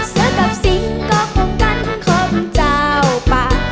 เสียกับสิ่งก็คงกันของเจ้าป่า